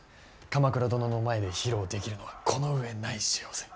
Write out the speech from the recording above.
鎌倉殿の前で披露できるのはこの上ない幸せ。